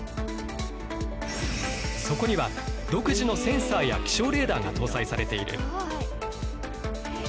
そこには独自のセンサーや気象レーダーが搭載されている。